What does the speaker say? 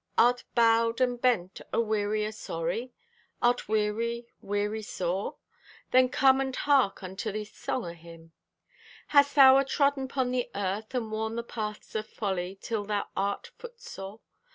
Art bowed and bent o' weight o' sorry? Art weary, weary, sore? Then come and hark unto this song o' Him. Hast thou atrodden 'pon the Earth, And worn the paths o' folly Till thou art foot sore?